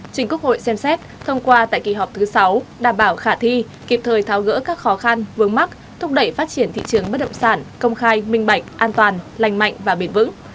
trình quốc hội xem xét thông qua tại kỳ họp thứ sáu đảm bảo khả thi kịp thời tháo gỡ các khó khăn vướng mắt thúc đẩy phát triển thị trường bất động sản công khai minh bạch an toàn lành mạnh và bền vững